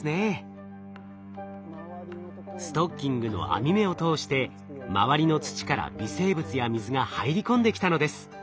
ストッキングの網目を通して周りの土から微生物や水が入り込んできたのです。